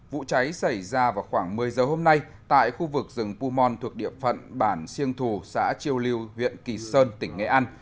vụ cháy xảy ra vào khoảng một mươi giờ hôm nay tại khu vực rừng pumon thuộc địa phận bản siêng thù xã chiêu lưu huyện kỳ sơn tỉnh nghệ an